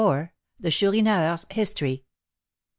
THE CHOURINEUR'S HISTORY.